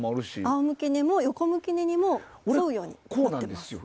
仰向き寝にも横向きにも沿うようになっています。